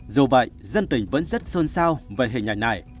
dù vậy dân tình vẫn rất sơn sao về hình ảnh này